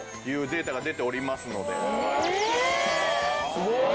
すごい！